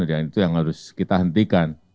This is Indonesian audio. dan itu yang harus kita hentikan